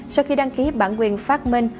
sau khi đăng ký bản quyền phát minh